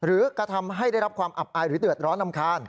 กระทำให้ได้รับความอับอายหรือเดือดร้อนรำคาญ